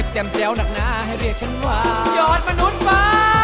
แจ้วหนักหนาให้เรียกฉันว่ายอดมนุษย์ว้า